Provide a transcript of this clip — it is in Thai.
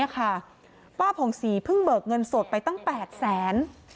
ป้าผ่องศรีเพิ่งเบิกเงินสดไปตั้ง๘แสน